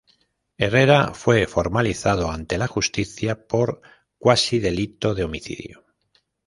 Herrera fue formalizado ante la justicia por "cuasi-delito de homicidio".